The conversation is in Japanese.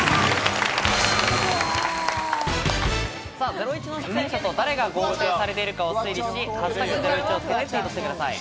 『ゼロイチ』の出演者と誰が合成されているかを推理し、「＃ゼロイチ」をつけてツイートしてください。